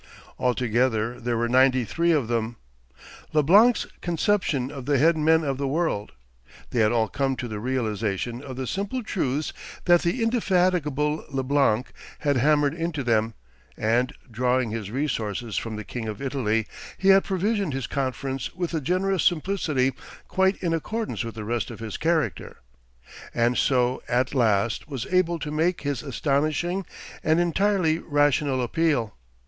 Altogether there were ninety three of them, Leblanc's conception of the head men of the world. They had all come to the realisation of the simple truths that the indefatigable Leblanc had hammered into them; and, drawing his resources from the King of Italy, he had provisioned his conference with a generous simplicity quite in accordance with the rest of his character, and so at last was able to make his astonishing and entirely rational appeal.